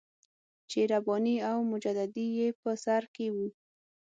چې رباني او مجددي یې په سر کې وو.